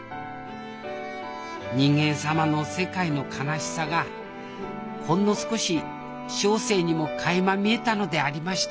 人間様の世界の悲しさがほんの少し小生にもかいま見えたのでありました